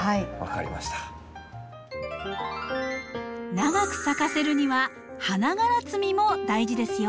長く咲かせるには花がら摘みも大事ですよ。